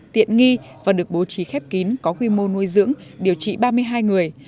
tiện nghi và được bố trí khép kín có quy mô nuôi dưỡng điều trị ba mươi hai người